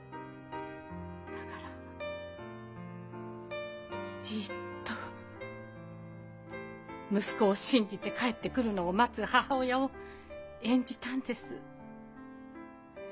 だからじっと息子を信じて帰ってくるのを待つ母親を演じたんです。